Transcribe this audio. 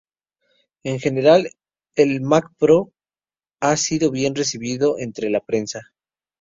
En general, el Mac Pro ha sido bien recibido entre la prensa.